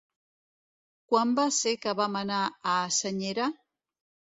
Quan va ser que vam anar a Senyera?